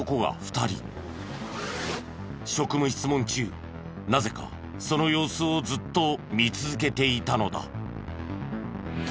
職務質問中なぜかその様子をずっと見続けていたのだ。